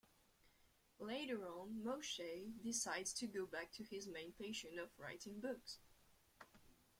Later on Moshe decides to go back to his main passion of writing books.